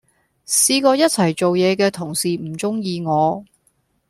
試過一齊做野既同事唔鐘意我